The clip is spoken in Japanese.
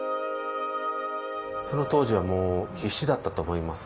その当時はもう必死だったと思いますね。